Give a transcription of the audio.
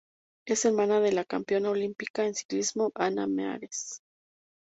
Es hermana de la campeona olímpica en ciclismo Anna Meares.